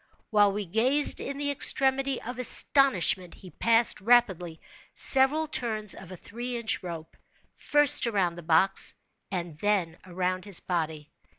While we gazed in the extremity of astonishment, he passed, rapidly, several turns of a three inch rope, first around the box and then around his body.